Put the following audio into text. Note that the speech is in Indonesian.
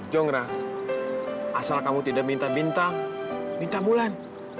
jongra asal kamu tidak minta bintang minta bulan